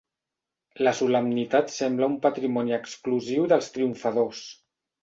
La solemnitat sembla un patrimoni exclusiu dels triomfadors.